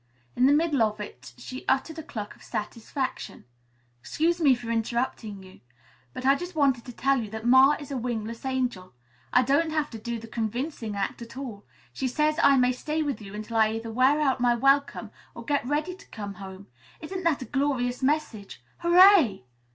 In the middle of it she uttered a cluck of satisfaction. "Excuse me for interrupting you, but I just wanted to tell you that Ma is a wingless angel. I don't have to do the convincing act at all. She says I may stay with you until I either wear out my welcome or get ready to come home. Isn't that a glorious message? Hooray!"